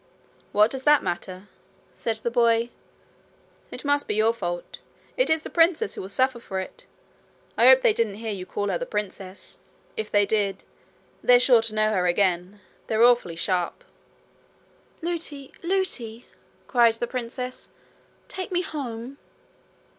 'What does that matter?' said the boy. 'It must be your fault. It is the princess who will suffer for it. I hope they didn't hear you call her the princess. If they did, they're sure to know her again: they're awfully sharp.' 'Lootie! Lootie!' cried the princess. 'Take me home.'